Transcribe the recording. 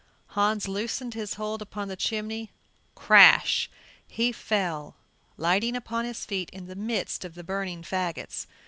Hans loosened his hold upon the chimney; crash! he fell, lighting upon his feet in the midst of the burning fagots.